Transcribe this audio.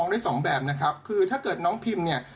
ได้สองแบบนะครับคือถ้าเกิดน้องพิมเนี่ย